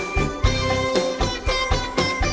kamu juga sama